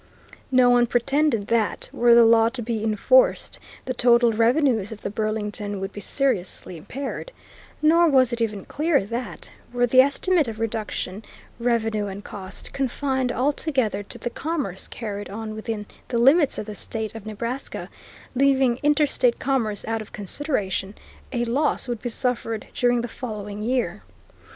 No one pretended that, were the law to be enforced, the total revenues of the Burlington would be seriously impaired, nor was it even clear that, were the estimate of reduction, revenue, and cost confined altogether to the commerce carried on within the limits of the State of Nebraska, leaving interstate commerce out of consideration, a loss would be suffered during the following year.